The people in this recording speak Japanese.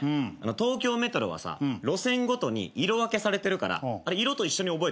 東京メトロはさ路線ごとに色分けされてるからあれ色と一緒に覚えたらいいんだよ。